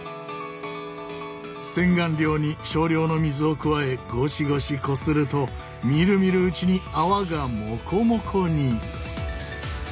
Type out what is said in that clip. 洗顔料に少量の水を加えゴシゴシこするとみるみるうちに泡がモコモコに！